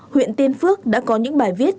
huyện tiên phước đã có những bài viết